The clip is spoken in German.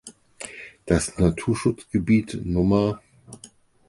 Das Naturschutzgebiet Nr.